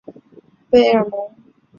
贝尔蒙。